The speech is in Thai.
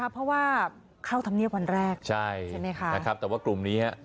เพราะว่าเข้าทำเงียบวันแรกใช่ไหมครับแต่ว่ากลุ่มนี้ครับ